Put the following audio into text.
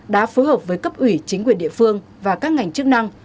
đã phối hợp với cấp ủy chính quyền địa phương và các ngành chức năng